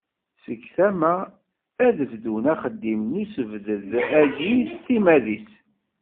Seg tama, ad bdun axeddim n usebddad-agi s timmad-is.